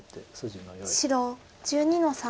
白１２の三。